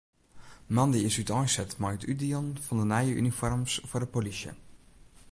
Moandei is úteinset mei it útdielen fan de nije unifoarms foar de polysje.